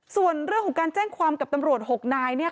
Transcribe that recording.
ส่วนเรื่องของการแจ้งความกับตำรวจ๖นายเนี่ย